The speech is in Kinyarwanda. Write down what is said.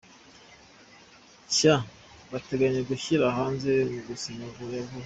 nshya bateganya gushyira hanze mu minsi ya vuba.